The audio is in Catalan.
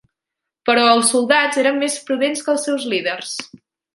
Però els soldats eren més prudents que els seus líders.